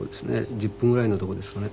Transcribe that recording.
１０分ぐらいのとこですかね。